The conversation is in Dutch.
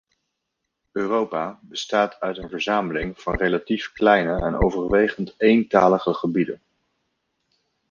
Europa bestaat uit een verzameling van relatief kleine en overwegend eentalige gebieden.